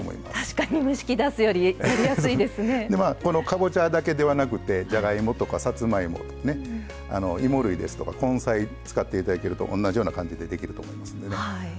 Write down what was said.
このかぼちゃだけではなくてじゃがいもとかさつまいもとかいも類ですとか根菜使っていただけると同じような感じでできると思いますんでね。